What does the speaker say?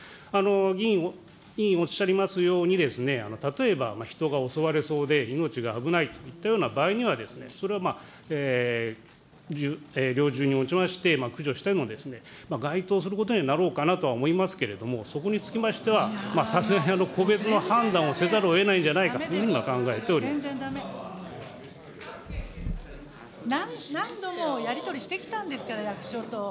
議員、おっしゃいますように例えば、人が襲われそうで命が危ないといったような場合には、それは猟銃を持ちまして、駆除しても、該当することになろうかなと思いますけれども、そこにつきましては、さすがに個別の判断をせざるをえないんじゃないか、そのよう何度もやり取りしてきたんですから、役所と。